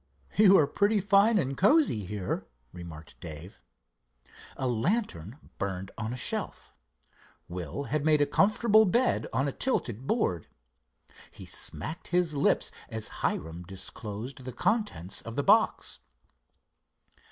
"You are pretty fine and cozy here," remarked Dave. A lantern burned on a shelf. Will had made a comfortable bed on a tilted board. He smacked his lips as Hiram disclosed the contents of the box.